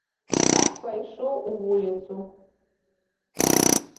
Так пайшоў у вуліцу.